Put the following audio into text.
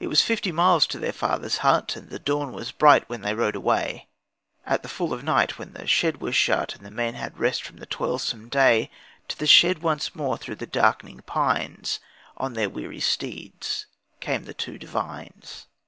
It was fifty miles to their father's hut, And the dawn was bright when they rode away; At the fall of night when the shed was shut And the men had rest from the toilsome day, To the shed once more through the dark'ning pines On their weary steeds came the two Devines.